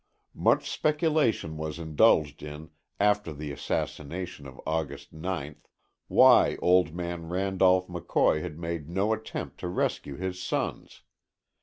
Much speculation was indulged in, after the assassination of August 9th, why old man Randolph McCoy had made no attempt to rescue his sons.